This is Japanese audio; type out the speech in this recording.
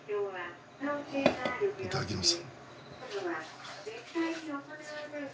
いただきます。